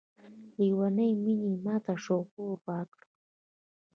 لیونۍ میني یې ماته شعور راکړی